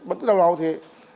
vẫn cứ đau đau thế